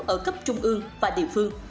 ở cấp trung ương và địa phương